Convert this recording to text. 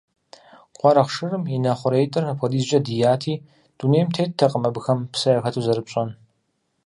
Къуаргъ шырым и нэ хъуреитӀыр апхуэдизкӀэ дияти, дунейм теттэкъым абыхэм псэ яхэту зэрыпщӀэн.